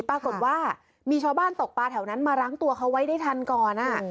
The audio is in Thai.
ปรากฏว่ามีชาวบ้านตกปลาแถวนั้นมารั้งตัวเขาไว้ได้ทันก่อน